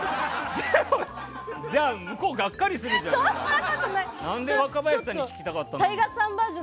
じゃあ、向こうがっかりするじゃん。